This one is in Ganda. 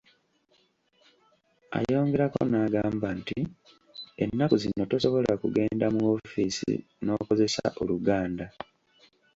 Ayongerako n'agamba nti ennaku zino tosobola kugenda mu wofiisi n'okozesa Oluganda.